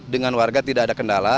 dengan warga tidak ada kendala